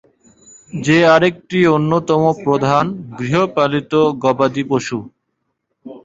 যেটি আরেকটি অন্যতম প্রধান গৃহপালিত গবাদি পশু।